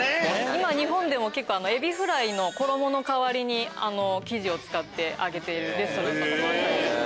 今日本でもエビフライの衣の代わりにあの生地を使って揚げているレストランとかもあったりして。